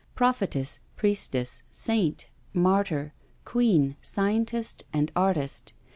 Prophetess, Priestess, Saint, Martyr, Queen, Scientist and Artist.